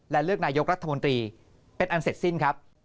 และเลือกนายกรัฐมนตรีเป็นอันเสร็จสิ้นครับ